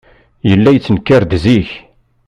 Yella yettenkar-d zik.